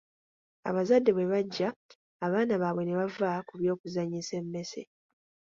Abazadde bwe bajja abaana baabwe ne bava ku by’okuzannyisa emmese.